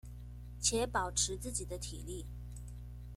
且保持自己的體力